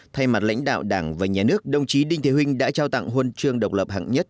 thay mặt lãnh đạo đảng và nhà nước đồng chí đinh thế huynh đã trao tặng hôn trương độc lập hẳn nhất